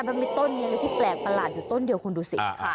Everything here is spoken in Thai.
มันมีต้นอะไรที่แปลกประหลาดอยู่ต้นเดียวคุณดูสิ